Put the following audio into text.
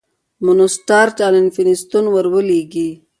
مونسټارټ الفینستون ور ولېږی.